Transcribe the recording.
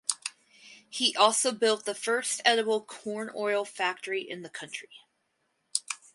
He also built the first edible corn oil factory in the country.